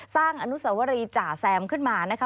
อนุสวรีจ่าแซมขึ้นมานะคะ